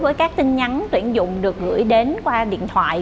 với các tin nhắn tuyển dụng được gửi đến qua điện thoại